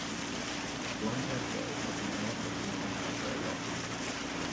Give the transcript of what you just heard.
A blondhaired boy is looking at an odd looking humanoid robot.